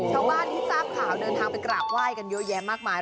ชาวบ้านที่ทราบข่าวเดินทางไปกราบไหว้กันเยอะแยะมากมาย